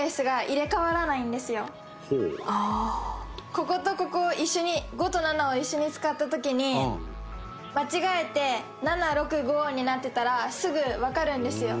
こことここを一緒に「５」と「７」を一緒に使った時に間違えて「７」「６」「５」になってたらすぐわかるんですよ。